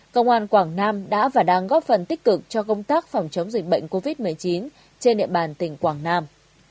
công an quảng nam đã và đang góp phần tích cực cho công tác phòng chống dịch bệnh covid một mươi chín trên địa bàn tỉnh quảng nam